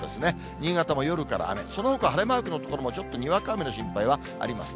新潟も夜から雨、そのほかは晴れマークの所もちょっとにわか雨の心配はあります。